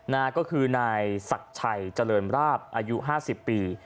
นะฮะก็คือนายศักดิ์ชัยเจริญราบอายุ๕๐ปี